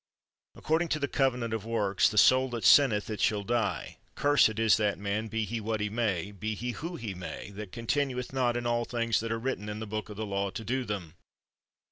Accord ing to the covenant of works, ''the soul that sin neth it shall die ''; cursed is that man, be he what he may, be he who he may, that continueth not in all things that are written in the book of the law to do them.